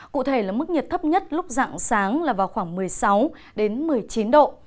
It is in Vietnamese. cụ thể là mức nhiệt thấp nhất lúc dạng sáng là vào khoảng một mươi sáu đến một mươi chín độ